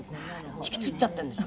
「ひきつっちゃってるんですよ」